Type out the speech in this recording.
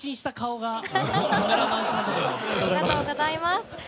ありがとうございます。